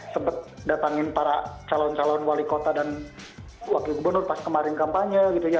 sempat datangin para calon calon wali kota dan wakil gubernur pas kemarin kampanye gitu ya